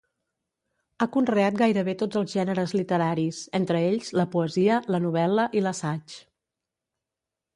Ha conreat gairebé tots els gèneres literaris, entre ells, la poesia, la novel·la i l'assaig.